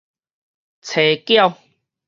炊餃